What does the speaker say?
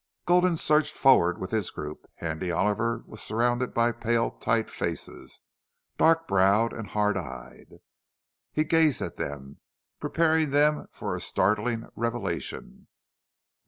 Gulden surged forward with his group. Handy Oliver was surrounded by pale, tight faces, dark browed and hardeyed. He gazed at them, preparing them for a startling revelation.